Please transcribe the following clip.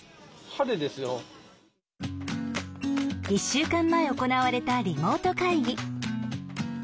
１週間前行われたリモート会議。